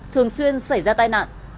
thường xuyên xảy ra tai nạn